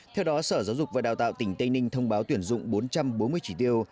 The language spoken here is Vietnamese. theo đó sở giáo dục và đào tạo tỉnh tây ninh thông báo tuyển dụng bốn trăm bốn mươi chỉ tiêu